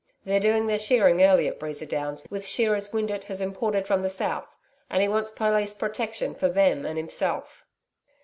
They're doing their shearing early at Breeza Downs with shearers Windeatt has imported from the south, and he wants police protection for them and himself.'